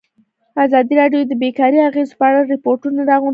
ازادي راډیو د بیکاري د اغېزو په اړه ریپوټونه راغونډ کړي.